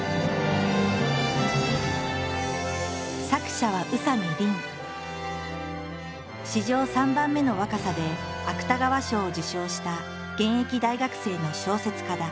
作者は史上３番目の若さで芥川賞を受賞した現役大学生の小説家だ。